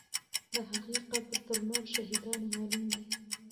د هغې قبر تر نورو شهیدانو معلوم دی.